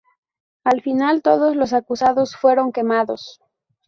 Al final, todos los acusados fueron quemados.